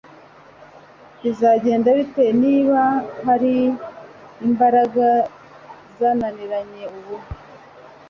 bizagenda bite niba hari imbaraga zananiranye ubu